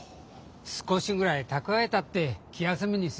少しぐらい蓄えたって気休めにすぎんよ。